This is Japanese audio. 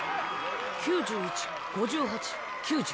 ９１５８９０。